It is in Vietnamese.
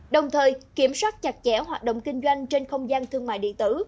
đồng thời kiểm soát chặt chẽ hoạt động kinh doanh trên không gian thương mại điện tử